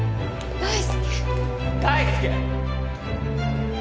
大介！